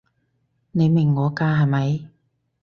你明我㗎係咪？